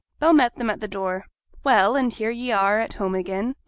Bell met them at the door. 'Well, and here ye are at home again!